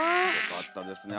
よかったですね。